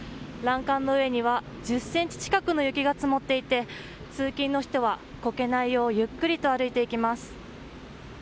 欄干の上には１０ｃｍ近くの雪が積もっていて通勤の人はこけないようゆっくりと歩いていきます。